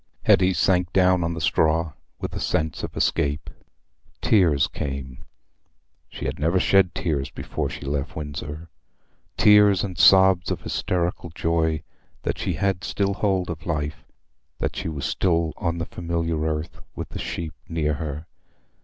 Hetty sank down on the straw with a sense of escape. Tears came—she had never shed tears before since she left Windsor—tears and sobs of hysterical joy that she had still hold of life, that she was still on the familiar earth, with the sheep near her.